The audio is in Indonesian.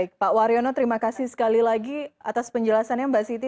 baik pak waryono terima kasih sekali lagi atas penjelasannya mbak siti